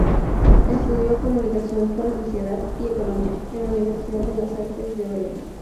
Estudió "Comunicación para Sociedad y Economía" en la Universidad de las Artes de Berlín.